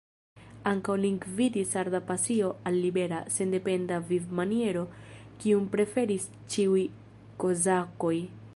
Ankaŭ lin gvidis arda pasio al libera, sendependa vivmaniero, kiun preferis ĉiuj kozakoj.